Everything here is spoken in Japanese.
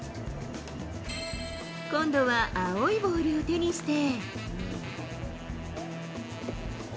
今度は青いボールを手にして。